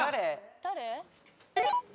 誰？